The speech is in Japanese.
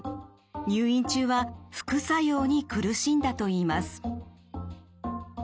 入院中は副作用に苦しんだといいます。